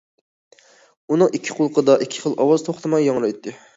ئۇنىڭ ئىككى قۇلىقىدا ئىككى خىل ئاۋاز توختىماي ياڭرايتتى.